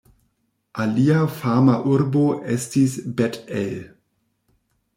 Alia fama urbo estis Bet-El.